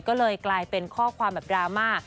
ก็เลยกลายเป็นข้อความแบบดราม่า